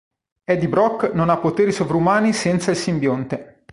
Eddie Brock non ha poteri sovrumani senza il simbionte.